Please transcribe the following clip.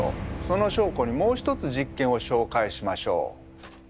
その証拠にもう一つ実験を紹介しましょう。